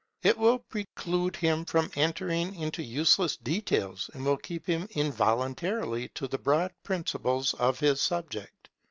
It will preclude him from entering into useless details, and will keep him involuntarily to the broad principles of his subject.